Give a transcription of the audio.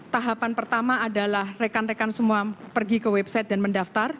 tahapan pertama adalah rekan rekan semua pergi ke website dan mendaftar